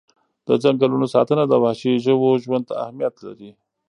د ځنګلونو ساتنه د وحشي ژوو ژوند ته اهمیت لري.